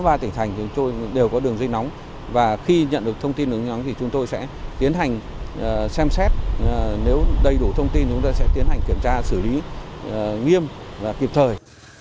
tại sáu mươi ba tỉnh thành chúng tôi đều có đường dây nóng và khi nhận được thông tin đường dây nóng thì chúng tôi sẽ tiến hành xem xét nếu đầy đủ thông tin chúng ta sẽ tiến hành kiểm tra xử lý nghiêm và kịp thời